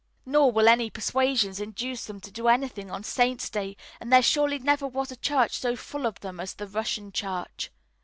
Nor will any persuasions induce them to do anything on Saints' days, and there surely never was a church so full of them as the Russian Church.